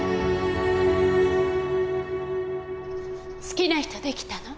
好きな人できたの？